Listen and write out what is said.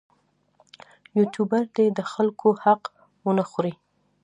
یوټوبر دې د خلکو حق ونه خوري.